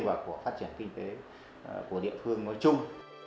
và của phát triển kinh tế của địa phương nói chung